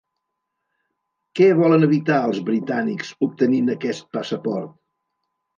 Què volen evitar els britànics obtenint aquest passaport?